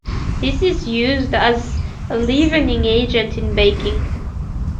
This is used as a leavening agent in baking.